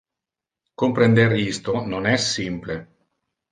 Comprender isto non es simple.